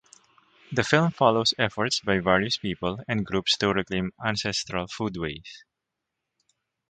The film follows efforts by various people and groups to reclaim ancestral foodways.